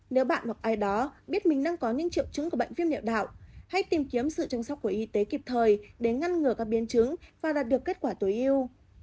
nếu bạn hoặc ai đó biết mình đang có những triệu chứng của bệnh viêm địa đạo hay tìm kiếm sự chăm sóc của y tế kịp thời để ngăn ngừa các biến chứng và đạt được kết quả tối yêu